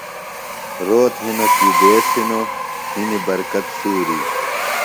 روت ہِنوۡ کیۡ دیس ہِنوۡ ، ہِنیۡ برکت سُور ی